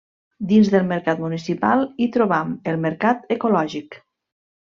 Dins del mercat municipal hi trobam el Mercat Ecològic.